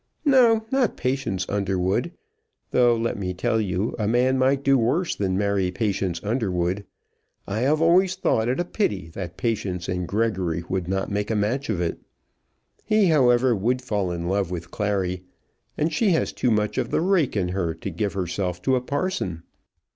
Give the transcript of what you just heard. "No; not Patience Underwood. Though, let me tell you, a man might do worse than marry Patience Underwood. I have always thought it a pity that Patience and Gregory would not make a match of it. He, however, would fall in love with Clary, and she has too much of the rake in her to give herself to a parson.